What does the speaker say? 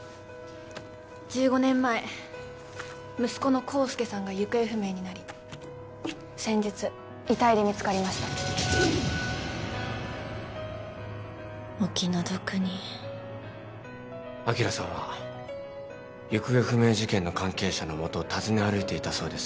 １５年前息子の康介さんが行方不明になり先日遺体で見つかりましたお気の毒に昭さんは行方不明事件の関係者のもとを尋ね歩いていたそうです